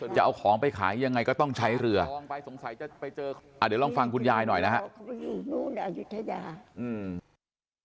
จะเอาของไปขายยังไงก็ต้องใช้เรืออ่ะเดี๋ยวลองฟังคุณยายหน่อยนะครับ